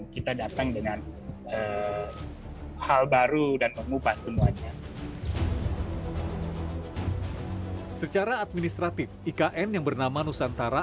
kita datang dengan hal baru dan mengubah semuanya secara administratif ikn yang bernama nusantara